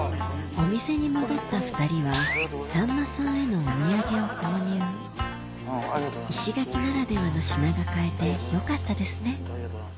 お店に戻った２人はさんまさんへのお土産を購入石垣ならではの品が買えてよかったですね